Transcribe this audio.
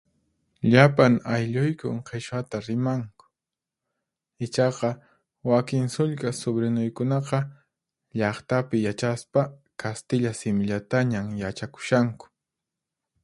Llapan aylluykun qhichwata rimanku. Ichaqa wakin sullk'a subrinuykunaqa, llaqtapi yachaspa, kastilla simillatañan yachakushanku.